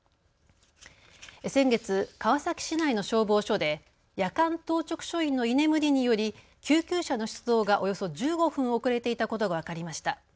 先月、川崎市内の消防署で夜間当直署員の居眠りにより救急車の出動がおよそ１５分遅れていたことが分かりました。